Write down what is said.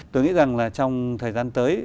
tôi nghĩ rằng là trong thời gian tới